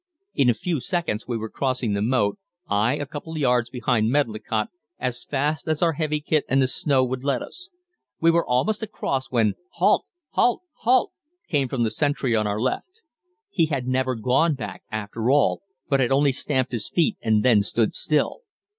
In a few seconds we were crossing the moat, I a couple of yards behind Medlicott, as fast as our heavy kit and the snow would let us. We were almost across when "Halt! Halt!! Halt!!" came from the sentry on our left. He had never gone back after all, but had only stamped his feet and then stood still.